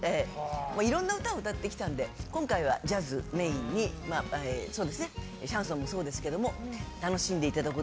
いろんな歌を歌ってきたので今回はジャズメインにシャンソンもそうですけど楽しんでいただく。